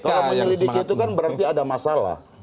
kalau menyelidiki itu kan berarti ada masalah